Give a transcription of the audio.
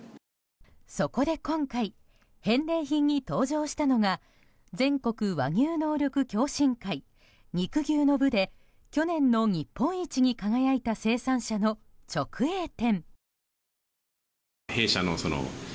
そこで、今回返礼品に登場したのが全国和牛能力共進会肉牛の部で去年の日本一に輝いた生産者の直営店。